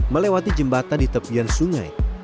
melewati jembatan di tepian sungai